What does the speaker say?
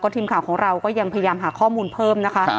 ทีมข่าวของเราก็ยังพยายามหาข้อมูลเพิ่มนะคะ